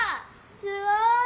すごい！